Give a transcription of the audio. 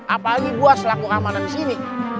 apalagi gue selaku keamanan disini